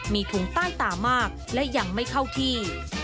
มีถุงใต้ตามากและยังไม่เข้าที่